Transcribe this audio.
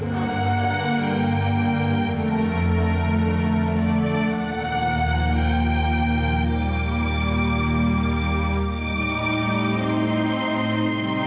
kau mengajak allah untuk ibu